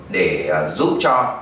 để giúp cho người dân